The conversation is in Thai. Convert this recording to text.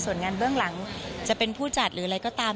ส่วนงานเบื้องหลังจะเป็นผู้จัดหรืออะไรก็ตาม